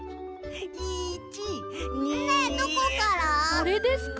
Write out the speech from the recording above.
あれですか？